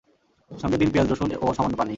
সঙ্গে দিন পেঁয়াজ-রসুন ও সামান্য পানি।